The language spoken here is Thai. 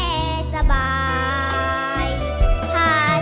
ลูกเห็นแม่เห็นแม่กลัวจิตใจอาวร